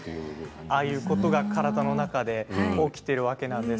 ああいうことが体の中で起きているわけです。